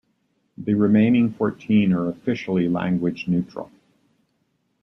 The remaining fourteen are officially language neutral.